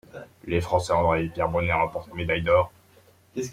Les Français Andrée et Pierre Brunet remportent la médaille d'or.